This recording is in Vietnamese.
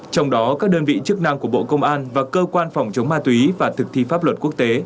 trong đó các đơn vị chức năng của bộ công an và cơ quan phòng chống ma túy và thực thi pháp luật quốc tế